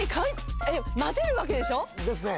えっ混ぜるわけでしょ。